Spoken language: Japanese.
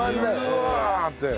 うわ！って。